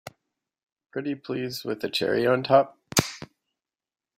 Pretty please with a cherry on top!